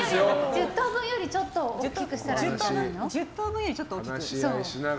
１０等分よりちょっと大きく？